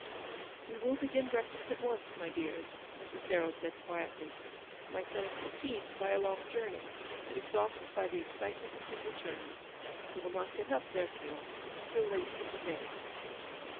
" "We will begin breakfast at once, my dears," LAUNCELOT. 289 Mrs. Darrell said, quietly; "my son is fatigued by a long journey, and exhausted by the excite ment of his return. He will not get up, therefore, until late in the day."